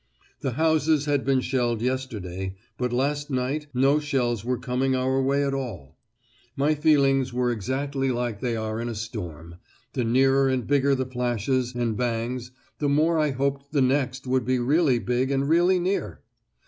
The houses had been shelled yesterday, but last night no shells were coming our way at all. My feelings were exactly like they are in a storm the nearer and bigger the flashes and bangs the more I hoped the next would be really big and really near."